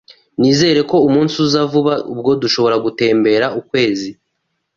Nizere ko umunsi uza vuba ubwo dushobora gutembera ukwezi